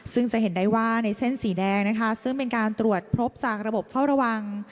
ซึ่งจะเห็นได้ว่าในเส้นสีแดงนะคะซึ่งเป็นการตรวจพบจากระบบเฝ้าระวัง